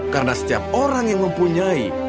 karena setiap orang yang mempunyai